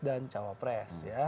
dan menjaga pres